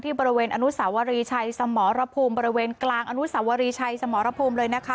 บริเวณอนุสาวรีชัยสมรภูมิบริเวณกลางอนุสวรีชัยสมรภูมิเลยนะคะ